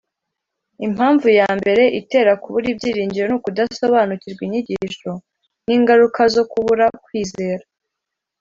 Impamvu ya mbere itera kubura ibyiringiro ni ukudasobanukirwa inyigisho n'ingaruka zo kubura kwizera